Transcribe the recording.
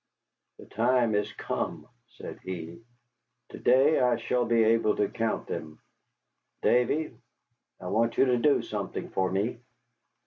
"The time has come," said he; "to day I shall be able to count them. Davy, I want you to do something for me."